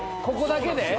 ここだけで？